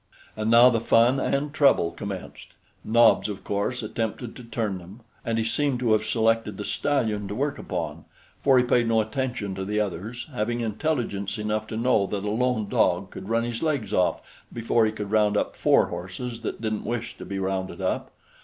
And now the fun and trouble commenced. Nobs, of course, attempted to turn them, and he seemed to have selected the stallion to work upon, for he paid no attention to the others, having intelligence enough to know that a lone dog could run his legs off before he could round up four horses that didn't wish to be rounded up.